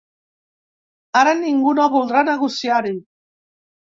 Ara ningú no voldrà negociar-hi.